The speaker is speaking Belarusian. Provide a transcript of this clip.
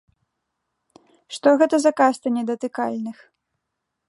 Што гэта за каста недатыкальных?